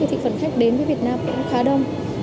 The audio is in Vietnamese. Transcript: thị phần khách đến với việt nam cũng khá đông